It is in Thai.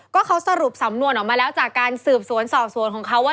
ก็เขาสรุปสำนวนออกมาแล้วจากการสืบสวนสอบสวนของเขาว่า